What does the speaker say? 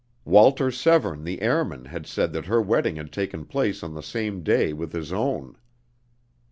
Walter Severne the airman had said that her wedding had taken place on the same day with his own.